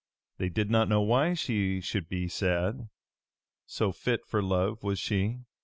They did not know why she should be sad, so fit for love was she.